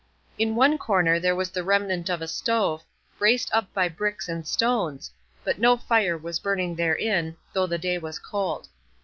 In one corner there was the remnant of a stove, braced up by bricks and stones, but no fire was burning therein, though the day was cold.